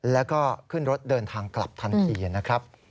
แล้วก็ขึ้นรถเดินทางกลับทันทีนะครับ